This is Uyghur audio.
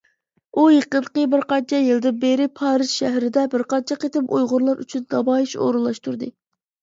ئۇ يېقىنقى بىر قانچە يىلدىن بېرى پارىژ شەھىرىدە بىر قانچە قېتىم ئۇيغۇرلار ئۈچۈن نامايىش ئورۇنلاشتۇردى.